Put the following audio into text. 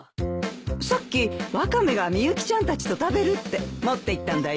さっきワカメがみゆきちゃんたちと食べるって持っていったんだよ。